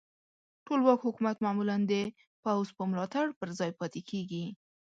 ټولواک حکومت معمولا د پوځ په ملاتړ پر ځای پاتې کیږي.